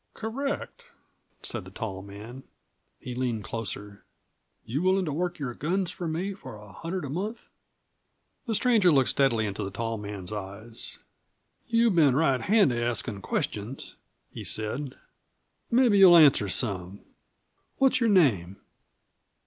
"Correct," said the tall man. He leaned closer. "You willin' to work your guns for me for a hundred a month?" The stranger looked steadily into the tall man's eyes. "You've been right handy askin' questions," he said. "Mebbe you'll answer some. What's your name?"